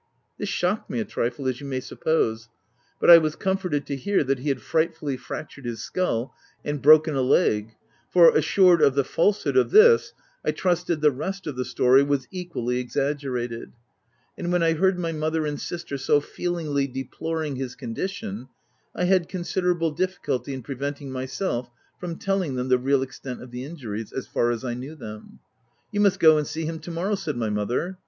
This shocked me a trifle, as you may suppose ; but I was comforted to hear that he had fright fully fractured his skull and broken a leg ; for, assured of the falsehood of this, I trusted the rest of the story was equally exaggerated ; and when I heard my mother and sister so feel ingly deploring his condition, I had considerable difficulty in preventing myself from telling them the real extent of the injuries, as far as I knew them. " You must go and see him to morrow," said my mother.